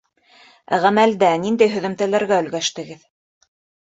— Ә ғәмәлдә ниндәй һөҙөмтәләргә өлгәштегеҙ?